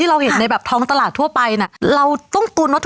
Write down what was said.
เราเห็นในแบบท้องตลาดทั่วไปน่ะเราต้องตูนว่า